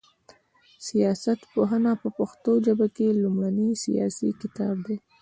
سياست پوهنه په پښتو ژبه کي لومړنی سياسي کتاب دی